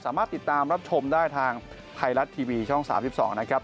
สามารถติดตามรับชมได้ทางไทยรัฐทีวีช่อง๓๒นะครับ